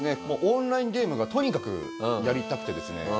もうオンラインゲームがとにかくやりたくてですね。